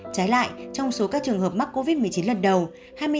trái lại trong số các trường hợp mắc covid một mươi chín lần đầu